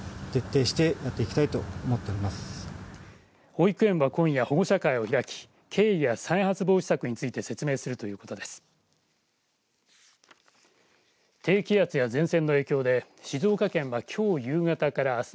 保育園は今夜、保護者会を開き経緯や再発防止策について説明するということです。